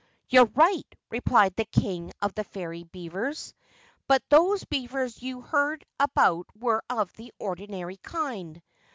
"You're right," replied the King of the Fairy Beavers. "But those beavers you heard about were of the ordinary kind.